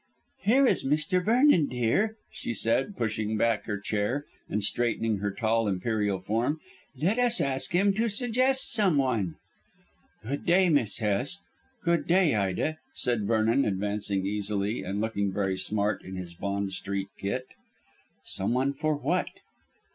"Here is Mr. Vernon, dear," she said, pushing back her chair and straightening her tall, imperial form. "Let us ask him to suggest someone." "Good day, Miss Hest; good day, Ida," said Vernon advancing easily, and looking very smart in his Bond Street kit. "Someone for what?"